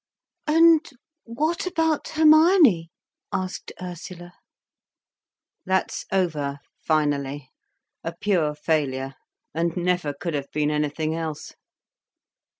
"And what about Hermione?" asked Ursula. "That's over, finally—a pure failure, and never could have been anything else."